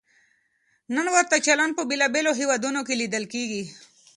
نن ورته چلند په بېلابېلو هېوادونو کې لیدل کېږي.